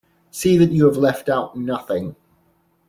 See that you have left out nothing.